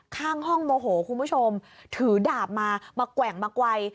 ข้างห้องโมโหคุณผู้ชมถือดาบมามาแกว่งมาไกล